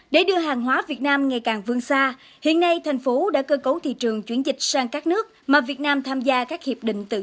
để đưa hàng hóa việt nam ngày càng vương xa hiện nay thành phố đã cơ cấu thị trường chuyển dịch sang các nước mà việt nam tham gia các hiệp định tự do